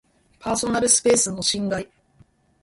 パーソナルスペースの侵害